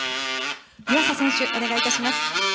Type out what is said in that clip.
湯浅選手、お願いいたします。